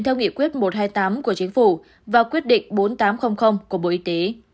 theo nghị quyết một trăm hai mươi tám của chính phủ và quyết định bốn nghìn tám trăm linh của bộ y tế